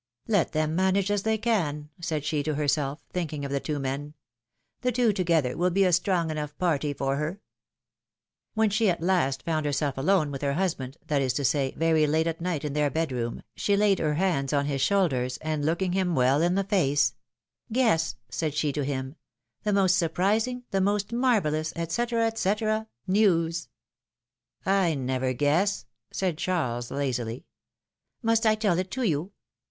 Let them manage as they can," said she to herself, thinking of the two men. The two together will be a strong enough party for her !" When she at last found herself alone with her husband, that is to say, very late at night in their bed room, she laid her hands on his shoulders, and looking him well in the face : Guess," said she to him, ^'the most surprising, the most marvellous, etc., etc., etc., news !" I never guess," said Charles, lazily. Must I tell it to you